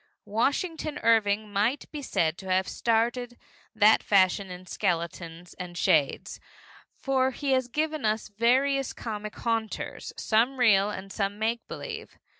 Washington Irving might be said to have started that fashion in skeletons and shades, for he has given us various comic haunters, some real and some make believe.